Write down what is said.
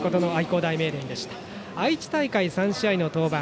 山田は愛知大会、３試合の登板。